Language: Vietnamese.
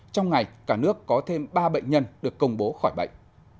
trong ngày cả nước có thêm ba bệnh nhân được công bố khỏi bệnh